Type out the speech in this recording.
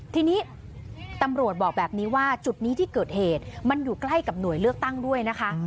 ทีนี้ตำรวจบอกแบบนี้ว่าจุดนี้ที่เกิดเหตุมันอยู่ใกล้กับหน่วยเลือกตั้งด้วยนะคะ